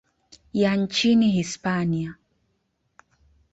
ya nchini Hispania.